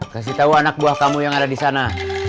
kasih tahu anak buah kamu yang ada di sana